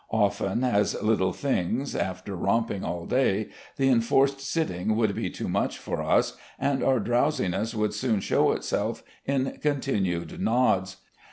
Often, as little things, after romping all day, the enforced sitting would be too much for us, and our drowsiness would soon show itself in con tinued nods.